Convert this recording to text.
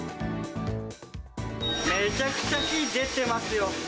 めちゃくちゃ火、出てますよ。